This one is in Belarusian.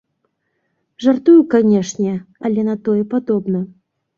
Жартую, канечне, але на тое падобна.